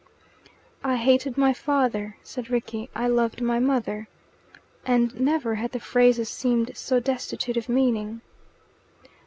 "I hated my father," said Rickie. "I loved my mother." And never had the phrases seemed so destitute of meaning.